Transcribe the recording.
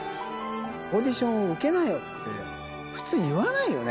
オーディションを受けなよって、普通言わないよね。